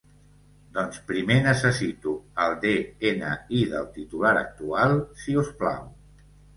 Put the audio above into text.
Doncs primer necessito el de-ena-i del titular actual, si us plau.